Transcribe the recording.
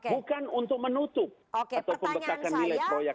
bukan untuk menutup atau pembekakan nilai proyek